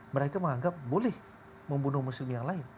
mereka menganggap boleh membunuh muslim yang lain